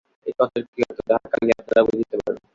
এ কথার কী অর্থ, তাহা কালই আপনারা বুঝিতে পারিবেন।